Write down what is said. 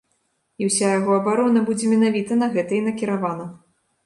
І ўся яго абарона будзе менавіта на гэта і накіравана.